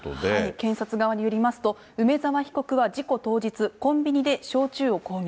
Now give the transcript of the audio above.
検察側によりますと、梅沢被告は事故当日、コンビニで焼酎を購入。